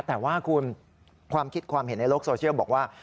แต่ว่าคุณความคิดความเห็นในโลกโซเชียลบอกว่า